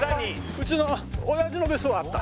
うちの親父の別荘はあった